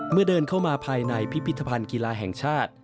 เดินเข้ามาภายในพิพิธภัณฑ์กีฬาแห่งชาติ